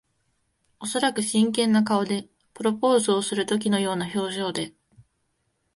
おそらく真剣な顔で。プロポーズをするときのような表情で。